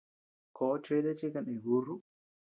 Koʼo chede chi kané búrru.